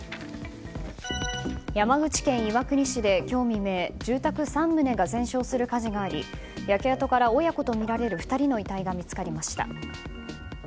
山口県岩国市で今日未明住宅３棟が全焼する火事があり焼け跡から親子とみられる２人の遺体が見つかりました。